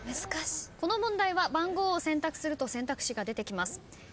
この問題は番号を選択すると選択肢が出てきます。